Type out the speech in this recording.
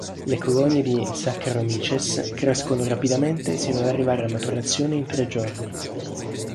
Le colonie di "Saccharomyces" crescono rapidamente sino ad arrivare a maturazione in tre giorni.